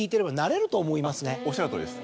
おっしゃるとおりです